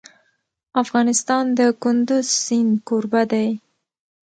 افغانستان د کندز سیند کوربه دی.